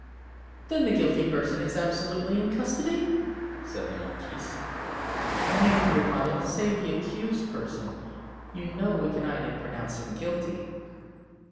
"Then the guilty person is absolutely in custody?" said the marquise. "Nay, dear mother, say the accused person. You know we cannot yet pronounce him guilty."